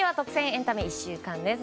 エンタメ１週間です。